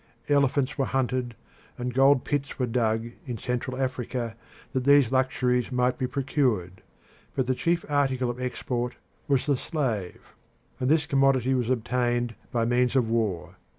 Elephants were hunted and gold pits were dug in Central Africa, that these luxuries might be procured; but the chief article of export was the slave, and this commodity was obtained by means of war.